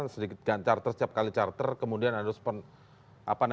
setiap kali charter kemudian ada